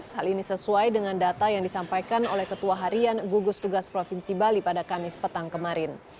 hal ini sesuai dengan data yang disampaikan oleh ketua harian gugus tugas provinsi bali pada kamis petang kemarin